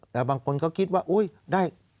แต่บางคนก็คิดว่าอุ๊ยได้